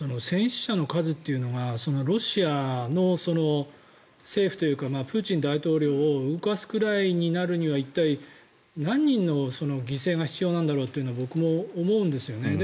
戦死者の数というのがロシアの政府というかプーチン大統領を動かすくらいになるには一体、何人の犠牲が必要なんだろうというのは僕も思うんですよね。